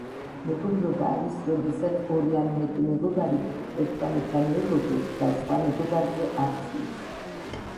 მეგობრობა არის როდესაც ორი ან მეტი მეგობარი ერთმანეთთან მეგობრობს და სხვა მეგობარზე არ ცვლის